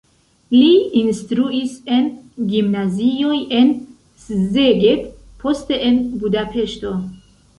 Li instruis en gimnazioj en Szeged, poste en Budapeŝto.